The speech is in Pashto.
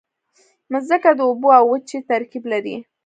مځکه د اوبو او وچې ترکیب لري.